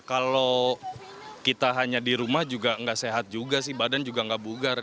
kalau kita hanya di rumah juga nggak sehat juga sih badan juga nggak bugar